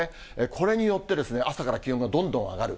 これによって、朝から気温がどんどん上がる。